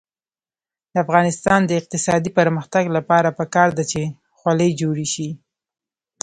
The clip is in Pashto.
د افغانستان د اقتصادي پرمختګ لپاره پکار ده چې خولۍ جوړې شي.